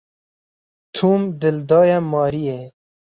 Tom dil daye Maryê.